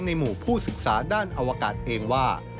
หมู่ผู้ศึกษาด้านอวกาศเองว่า